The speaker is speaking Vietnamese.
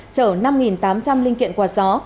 chở năm tám trăm linh linh kiện quạt gió